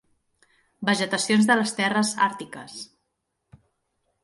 Vegetacions de les terres àrtiques.